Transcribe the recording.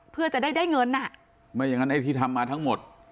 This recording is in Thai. เพื่อจะได้ได้เงินอ่ะไม่อย่างนั้นไอ้ที่ทำมาทั้งหมด